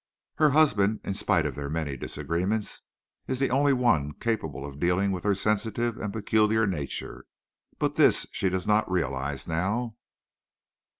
Her husband, in spite of their many disagreements, is the only one capable of dealing with her sensitive and peculiar nature. But this she does not realize now."